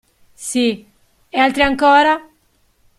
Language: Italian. Sì; e altri ancora?